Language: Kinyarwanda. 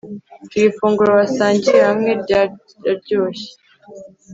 Iri funguro basangiye hamwe ryararyoshye